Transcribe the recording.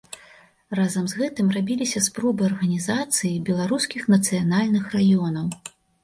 Разам з гэтым рабіліся спробы арганізацыі беларускіх нацыянальных раёнаў.